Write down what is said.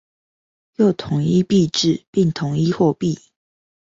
又統一幣制，並統一貨幣